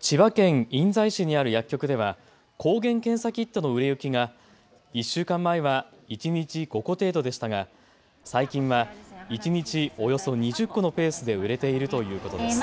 千葉県印西市にある薬局では抗原検査キットの売れ行きが１週間前は一日５個程度でしたが最近は一日およそ２０個のペースで売れているということです。